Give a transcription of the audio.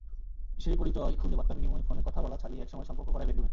সেই পরিচয়ে খুদে বার্তাবিনিময়, ফোনে কথা বলা ছাড়িয়ে একসময় সম্পর্ক গড়ায় বেডরুমে।